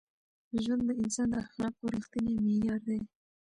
ژوند د انسان د اخلاقو رښتینی معیار دی.